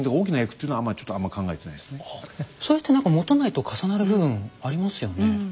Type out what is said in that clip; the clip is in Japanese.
それって何か元就と重なる部分ありますよね。